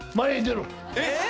えっ？